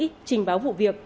trình báo vụ việc